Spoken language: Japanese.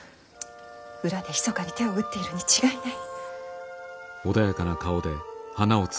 裏でひそかに手を打っているに違いない。